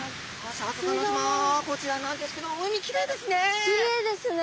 こちらなんですけど海きれいですね。